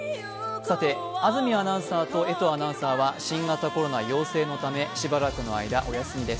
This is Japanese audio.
安住アナウンサーと江藤アナウンサーは新型コロナ陽性のためしばらくの間、お休みです。